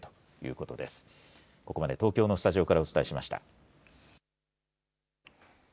ここまで東京のスタジオからお伝えしました。